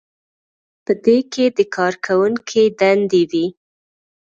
په دې کې د کارکوونکي دندې وي.